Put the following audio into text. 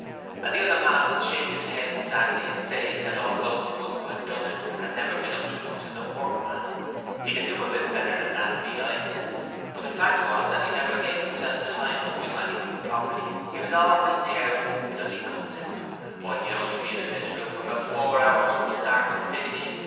And the other man would shake his head sadly and say that although the one who had done it had never been up to much as a workman, he could do it a bit better than that if he liked, but the fact was that he never gave himself time to do anything properly: he was always tearing his bloody guts out! Why, he'd only been in this room about four hours from start to finish!